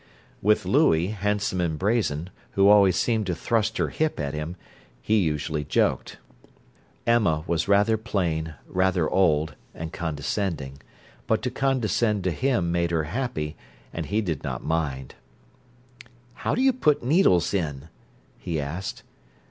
With Louie, handsome and brazen, who always seemed to thrust her hip at him, he usually joked. Emma was rather plain, rather old, and condescending. But to condescend to him made her happy, and he did not mind. "How do you put needles in?" he asked.